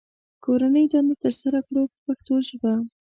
کورنۍ دنده ترسره کړو په پښتو ژبه.